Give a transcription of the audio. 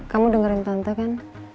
kamu dengerin tante kan